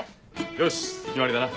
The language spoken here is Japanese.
よし決まりだな。